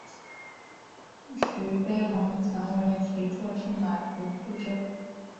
徐悲鸿曾为其作骏马图祝寿。